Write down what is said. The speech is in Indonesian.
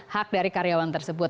hak dari karyawan tersebut